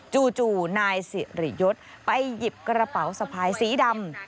จู่นายสิริยศไปหยิบกระเป๋าสะพายสีดำ